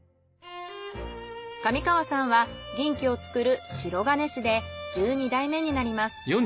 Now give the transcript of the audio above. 上川さんは銀器を作る銀師で１２代目になります。